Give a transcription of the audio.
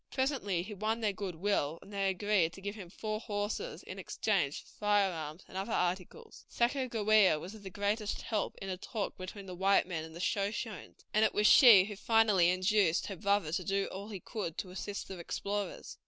Presently he won their good will, and they agreed to give him four horses in exchange for firearms and other articles. Sacajawea was of the greatest help in the talk between the white men and the Shoshones, and it was she who finally induced her brother to do all he could to assist the explorers.